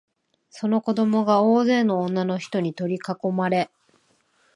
その子供が大勢の女のひとに取りかこまれ、